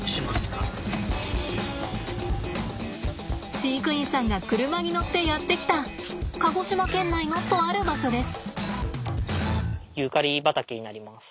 飼育員さんが車に乗ってやって来た鹿児島県内のとある場所です。